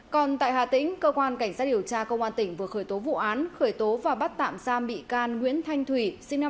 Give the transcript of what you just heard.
còn tại hà tĩnh cơ quan cảnh sát điều tra công an tỉnh vừa khởi tố vụ án khởi tố và bắt tạm giam bị can nguyễn thanh thủy sinh năm một nghìn chín trăm tám